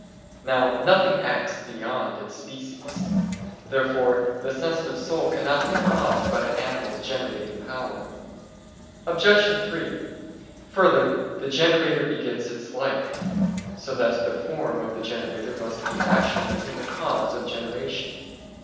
Now nothing acts beyond its species. Therefore the sensitive soul cannot be caused by the animal's generating power. Obj. 3: Further, the generator begets its like: so that the form of the generator must be actually in the cause of generation.